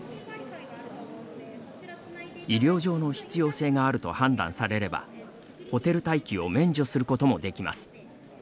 医療上の必要性があると判断されればホテル待機を免除することもできます。